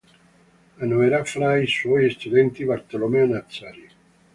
Annovera fra i suoi studenti Bartolomeo Nazari.